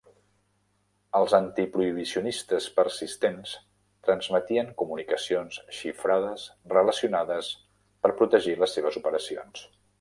Els antiprohibicionistes persistents transmetien comunicacions xifrades relacionades per protegir les seves operacions.